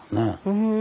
うん。